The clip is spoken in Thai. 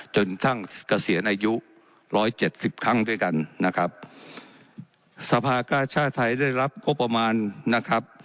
จนกระทั่งเกษียณอายุร้อยเจ็ดสิบครั้งด้วยกันนะครับสภาก้าชาติไทยได้รับงบประมาณนะครับ